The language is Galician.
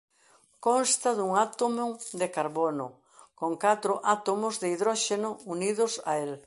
Consta dun átomo de carbono con catro átomos de hidróxeno unidos a el.